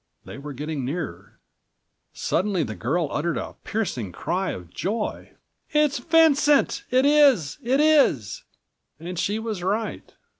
They were getting nearer. Suddenly the girl uttered a piercing cry of joy: "It is Vincent! It is! It is!" And she was right.